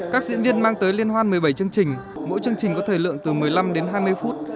các diễn viên mang tới liên hoan một mươi bảy chương trình mỗi chương trình có thời lượng từ một mươi năm đến hai mươi phút